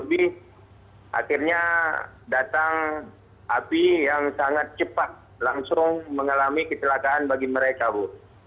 tapi akhirnya datang api yang sangat cepat langsung mengalami kecelakaan bagi mereka bu